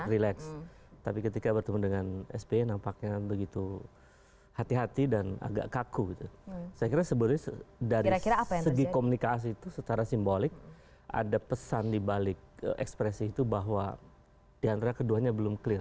relax tapi ketika bertemu dengan sp nampaknya begitu hati hati dan agak kaku gitu saya kira sebenarnya dari segi komunikasi itu secara simbolik ada pesan dibalik ekspresi itu bahwa diantara keduanya belum clear